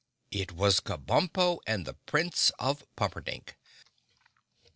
It was Kabumpo and the Prince of Pumperdink.